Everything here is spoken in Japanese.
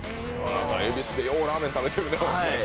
恵比寿でようラーメン食べてるね。